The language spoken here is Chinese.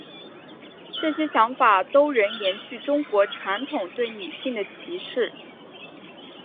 这些想法都仍延续中国传统对女性的歧视。